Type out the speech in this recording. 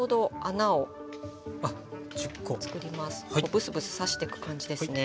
ブスブス刺していく感じですね。